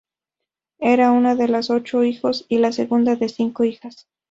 Era una de los ocho hijos y la segunda de cinco hijas.